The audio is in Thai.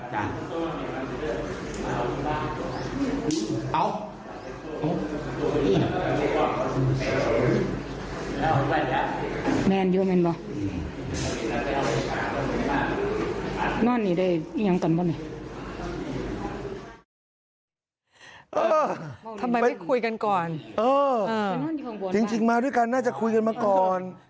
ทำไมไม่คุยกันก่อนเออจริงมาด้วยกันน่าจะคุยกันมาก่อน